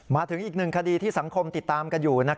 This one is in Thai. มาถึงอีกหนึ่งคดีที่สังคมติดตามกันอยู่